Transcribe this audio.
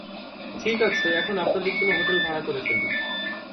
ঠিক আছে, এখন আপনাদের জন্য হোটেল ভাড়া করে ফেলি।